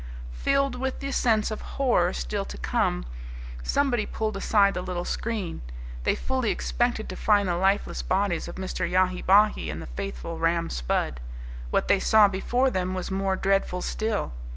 Filled with the sense of horror still to come, somebody pulled aside the little screen. They fully expected to find the lifeless bodies of Mr. Yahi Bahi and the faithful Ram Spudd. What they saw before them was more dreadful still.